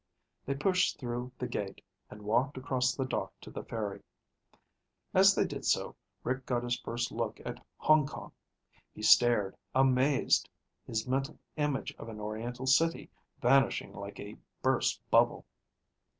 They pushed through the gate and walked across the dock to the ferry. As they did so, Rick got his first look at Hong Kong. He stared, amazed, his mental image of an oriental city vanishing like a burst bubble.